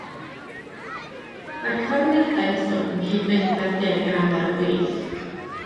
Mae'r cyfarwyddiadau isod yn cyd-fynd â'r diagram ar y chwith.